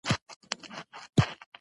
د آل انډيا ريډيو د پښتو څانګې